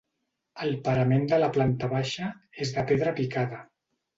El parament de la planta baixa és de pedra picada.